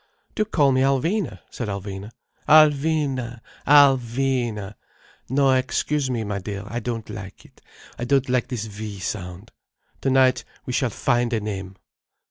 "Do call me Alvina," said Alvina. "Alvina—Al vy na! No, excuse me, my dear, I don't like it. I don't like this 'vy' sound. Tonight we shall find a name."